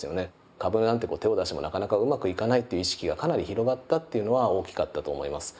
株なんて手を出してもなかなかうまくいかないっていう意識がかなり広がったっていうのは大きかったと思います。